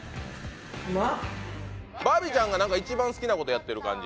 うまっバービーちゃんが何か一番好きなことやってる感じ